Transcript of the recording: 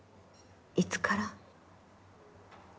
いつから？